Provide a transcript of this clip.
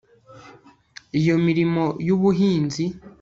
iyo mirimo y ubuhinzi